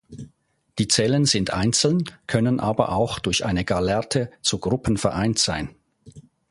Die Zellen sind einzeln, können aber auch durch eine Gallerte zu Gruppen vereint sein.